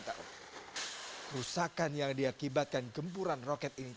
kerusakan yang diakibatkan gempuran roket ini